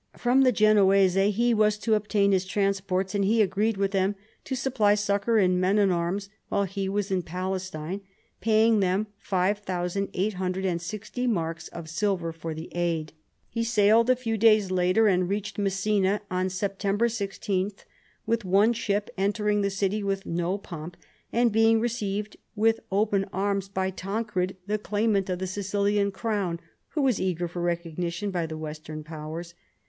From the Genoese he was to obtain his transports, and he agreed with them to supply succour in men and arms while he was in Palestine, paying them five thousand eight hundred and sixty marks of silver for the aid. He sailed a few days later, and reached Messina on Septem ber 16, with one ship, entering the city with no pomp, and being received with open arms by Tancred, the claimant of the Sicilian crown, who was eager for recognition by the Western powers.